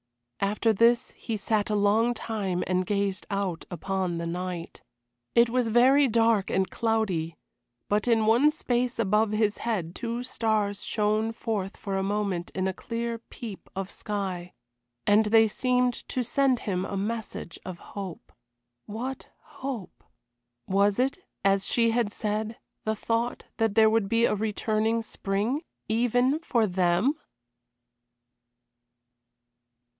After this he sat a long time and gazed out upon the night. It was very dark and cloudy, but in one space above his head two stars shone forth for a moment in a clear peep of sky, and they seemed to send him a message of hope. What hope? Was it, as she had said, the thought that there would be a returning spring even for them?